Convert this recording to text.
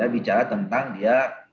bicara tentang dia